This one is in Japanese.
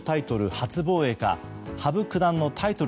初防衛か羽生九段の、タイトル